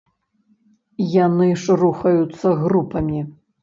Яны ж рухаюцца групамі.